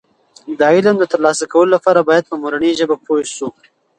د علم د ترلاسه کولو لپاره باید په مورنۍ ژبه پوه شو.